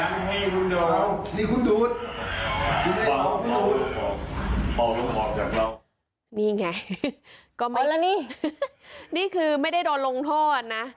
เอานั้นให้คุณดูดนี่คุณดูดคุณดูดนี่ไงก็ไม่แล้วนี่นี่คือไม่ได้โดนลงโทษนะ